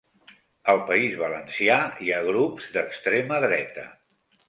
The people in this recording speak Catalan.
Al País Valencià hi ha grups d'extrema dreta